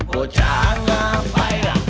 bocah ngapai ya